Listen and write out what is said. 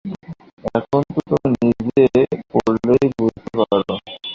এখন তো তুমি নিজে পড়েই বুঝতে পার।